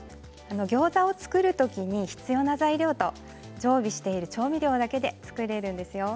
ギョーザを作るときに必要な材料と常備している調味料だけで作れるんですよ。